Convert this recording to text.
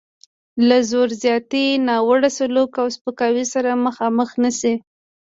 له زور زیاتي، ناوړه سلوک او سپکاوي سره مخامخ نه شي.